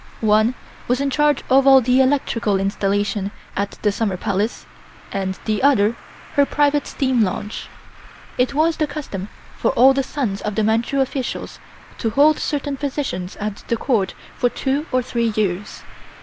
One was in charge of all the electrical installation at the Summer Palace, and the other, her private steam launch. It was the custom for all the sons of the Manchu officials to hold certain positions at the Court for two or three years.